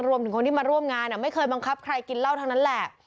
รวมถึงคนที่มาร่วมงานไม่เคยบังคับใครกินเหล้าทั้งนั้นแหละ